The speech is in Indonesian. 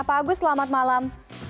pak agus selamat malam